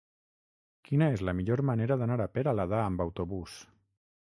Quina és la millor manera d'anar a Peralada amb autobús?